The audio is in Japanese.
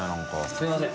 すみません。